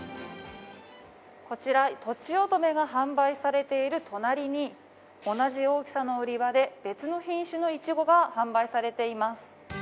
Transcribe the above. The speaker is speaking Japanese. こちら、とちおとめが販売されている隣に同じ大きさの売り場で別の品種のいちごが販売されています。